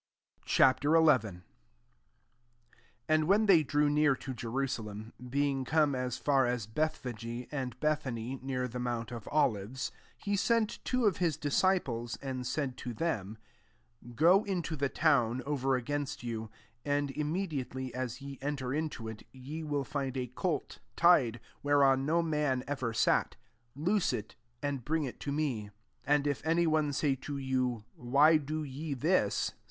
Ch. XI. 1 And when the; drew near to Jerusalem, bei^ come as fai* as Bethphag^e, an , Bethany, near the mount q Olives, he sent two of his disci pies, and said to them, 2 ^ G into the town, over against you and immediately as ye enti Into it, ye will find a colt tiei whereon no man ^ver sai loose it, and bring it to me» And if any one say to yoi ' Why do ye this